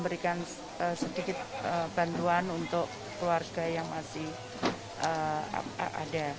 berikan sedikit bantuan untuk keluarga yang masih ada